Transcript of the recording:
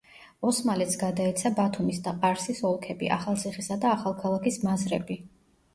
ოსმალეთს გადაეცა ბათუმის და ყარსის ოლქები, ახალციხისა და ახალქალაქის მაზრები.